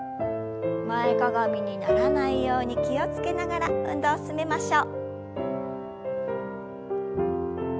前かがみにならないように気を付けながら運動を進めましょう。